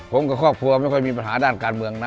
ผมกับครอบครัวไม่ค่อยมีปัญหาด้านการเมืองนะ